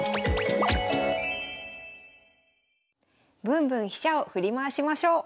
ぶんぶん飛車を振り回しましょう。